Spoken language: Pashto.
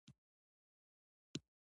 هېواد ته تل خدمت وکړئ